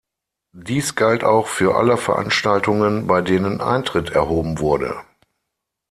Dies galt auch für alle Veranstaltungen, bei denen Eintritt erhoben wurde.